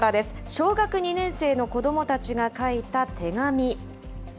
小学２年生の子どもたちが書いた手紙。